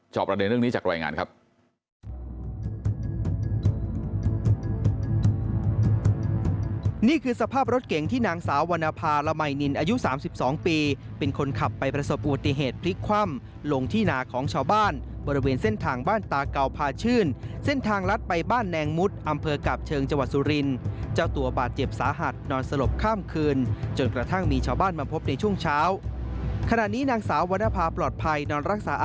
ประเด็นเรื่องนี้จากรายงานครับ